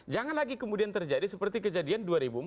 jangan lagi kemudian terjadi seperti kejadian dua ribu empat belas